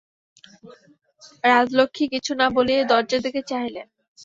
রাজলক্ষ্মী কিছু না বলিয়াই দরজার দিকে চাহিলেন।